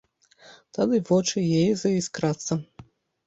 Тады вочы яе заіскрацца.